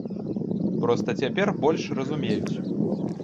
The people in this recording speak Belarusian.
Проста цяпер больш разумеюць.